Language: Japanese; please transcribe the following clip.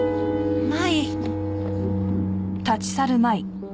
舞。